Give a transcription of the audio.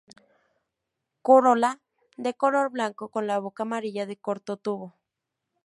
Corola de color blanco con la boca amarilla de corto tubo.